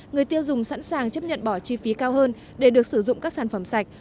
người tiêu dùng sẵn sàng chấp nhận bỏ chi phí cao hơn để được sử dụng các sản phẩm sạch